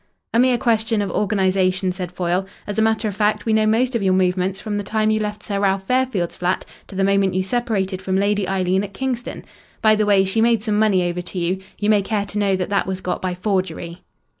"A mere question of organisation," said Foyle. "As a matter of fact, we know most of your movements from the time you left Sir Ralph Fairfield's flat to the moment you separated from Lady Eileen at Kingston. By the way, she made some money over to you. You may care to know that that was got by forgery."